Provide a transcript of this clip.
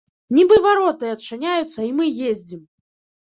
Нібы вароты адчыняюцца і мы ездзім!